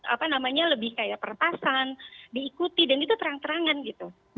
apa namanya lebih kayak peretasan diikuti dan itu terang terangan gitu